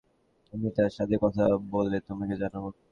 আমি তার সাথে কথা বলে তোমাকে জানাব।